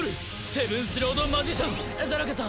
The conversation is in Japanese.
セブンスロード・マジシャンじゃなかった。